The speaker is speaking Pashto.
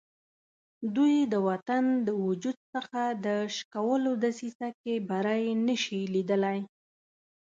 دوی د وطن د وجود څخه د شکولو دسیسه کې بری نه شي لیدلای.